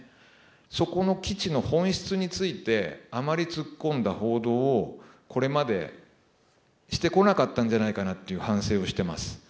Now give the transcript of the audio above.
そこの基地の本質についてあまり突っ込んだ報道をこれまでしてこなかったんじゃないかなっていう反省をしてます。